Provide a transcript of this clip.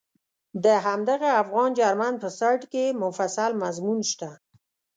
د همدغه افغان جرمن په سایټ کې مفصل مضمون شته.